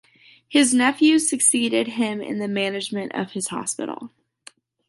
His nephews succeeded him in the management of his hospital.